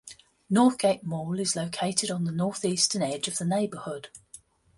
Northgate Mall is located on the northeastern edge of the neighborhood.